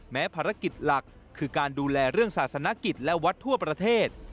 ภารกิจหลักคือการดูแลเรื่องศาสนกิจและวัดทั่วประเทศ